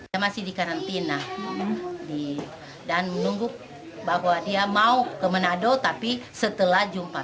dia masih di karantina dan menunggu bahwa dia mau ke manado tapi setelah jumpa